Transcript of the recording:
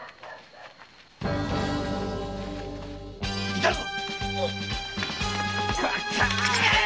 いたぞ！